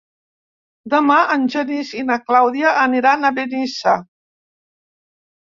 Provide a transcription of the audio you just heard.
Demà en Genís i na Clàudia aniran a Benissa.